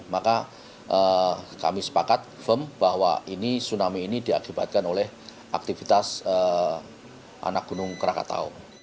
maka kami sepakat firm bahwa ini tsunami ini diakibatkan oleh aktivitas anak gunung krakatau